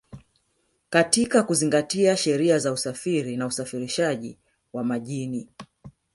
katika kuzingatia sheria za usafiri na usafirishaji wa majini